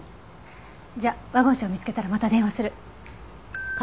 じゃワゴン車を見つけたらまた電話する。